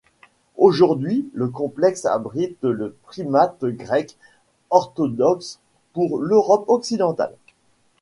Aujourd'hui, le complexe abrite le primate grec orthodoxe pour l'Europe occidentale.